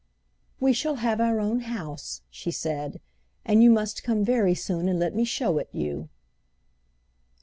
"We shall have our own house," she said, "and you must come very soon and let me show it you."